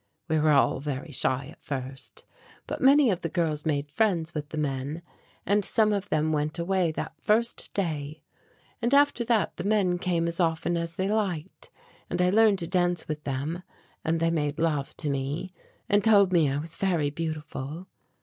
We were all very shy at first, but many of the girls made friends with the men and some of them went away that first day. And after that the men came as often as they liked and I learned to dance with them, and they made love to me and told me I was very beautiful.